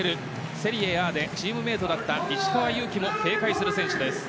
セリエＡでチームメートだった石川祐希も警戒する選手です。